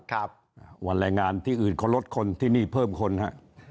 ครับอ่าวันแรงงานที่อื่นเขาลดคนที่นี่เพิ่มคนฮะ